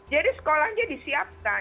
jadi sekolahnya disiapkan